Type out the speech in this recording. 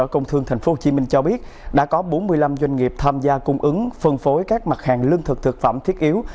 công thương tp hcm cho biết đã có bốn mươi năm doanh nghiệp tham gia cung ứng phân phối các mặt hàng lương thực thực phẩm thiết yếu